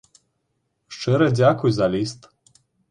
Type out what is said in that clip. Шчыра дзякуй за ліст.